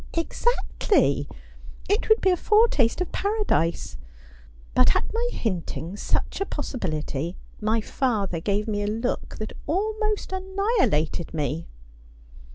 ' Exactly. It would be a foretaste of paradise. But at my hinting such a possibility my father gave me a look that almost annihilated me.'